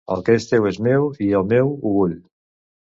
El que és teu és meu i el meu ho vull.